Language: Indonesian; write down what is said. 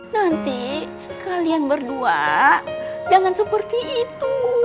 nanti kalian berdua jangan seperti itu